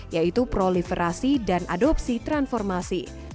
yaitu proliferasi dan adopsi transformasi